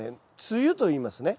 梅雨といいますね。